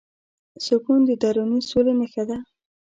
سکون د دروني سولې نښه ده.